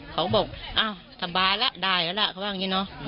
เขาก็บอกอ้าวทำบาลล่ะได้แล้วล่ะเขาบอกอย่างงี้เนอะ